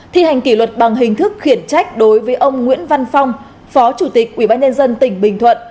thi hành kỷ luật bằng hình thức khiển trách đối với ông nguyễn văn phong phó chủ tịch ubnd tỉnh bình thuận